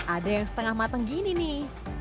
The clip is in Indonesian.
ada yang setengah matang gini nih